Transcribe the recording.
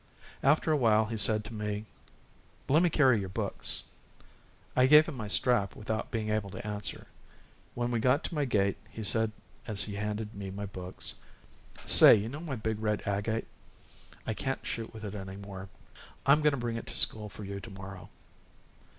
After a while he said to me: "Le' me carry your books." I gave him my strap without being able to answer. When we got to my gate, he said as he handed me my books: "Say, you know my big red agate? I can't shoot with it any more. I'm going to bring it to school for you tomorrow."